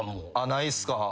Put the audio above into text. ないっすか？